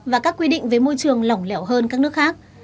và các quy định về môi trường lỏng lẻo hơn các nước khác